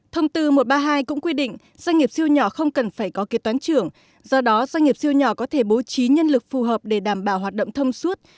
thông tư một trăm ba mươi hai cũng quy định doanh nghiệp siêu nhỏ không cần phải có kế toán trưởng do đó doanh nghiệp siêu nhỏ có thể bố trí nhân lực phù hợp để đảm bảo hoạt động thông suốt